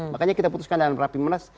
makanya kita putuskan dalam rapi menas